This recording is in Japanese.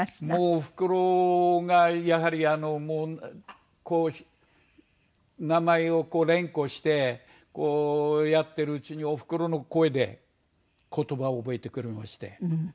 おふくろがやはりあの名前を連呼してこうやってるうちにおふくろの声で言葉を覚えてくれまして。